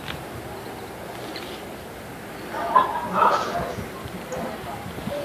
Rwanda yajibu Kongo dhidi ya tuhuma juu yake za ukiukaji wa haki za binadamu.